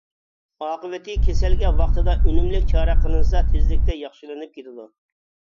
ئاقىۋىتى كېسەلگە ۋاقتىدا، ئۈنۈملۈك چارە قىلىنسا تېزلىكتە ياخشىلىنىپ كېتىدۇ.